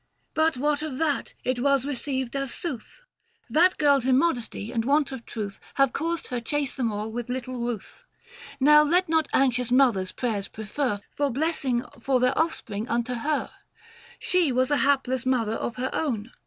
But what of that, it was received as sooth. That girl's immodesty and want of truth Have caused her chase them all with little ruth. Now let not anxious mothers prayers prefer 670 For blessings for their offspring unto her ; She was a hapless mother of her own.